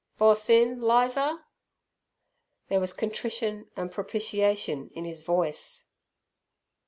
"Boss in, Lizer?" There was contrition and propitiation in his voice.